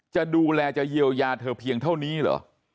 จะดูแลจะเยียวยาเธอเพียงเท่านี้เหรอ